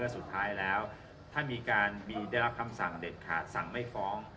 สุดท้ายแล้วถ้ามีการได้รับคำสั่งเด็ดขาดสั่งไม่ฟ้อง